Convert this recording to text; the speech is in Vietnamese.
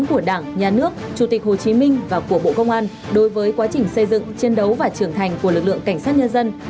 từ lãnh đạo đúng đắn của đảng nhà nước chủ tịch hồ chí minh và của bộ công an đối với quá trình xây dựng chiến đấu và trưởng thành của lực lượng cảnh sát nhân dân